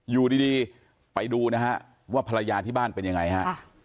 อยู่ดีไปดูนะฮะว่าภรรยาที่บ้านเป็นยังไงฮะ